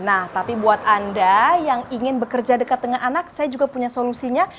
nah tapi buat anda yang ingin bekerja dekat dengan anak saya juga punya solusinya